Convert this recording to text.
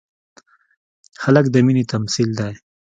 هلک د مینې تمثیل دی.